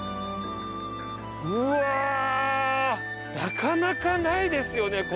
うわぁなかなかないですよね